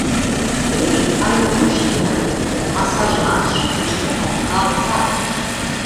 Эх, Айрушкина, массажымат шыч ыште мо, калтак?!.